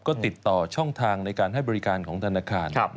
ก็ติดต่อช่องทางในการให้บริการของธนาคาร